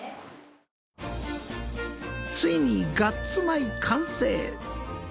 ついにガッツ米完成！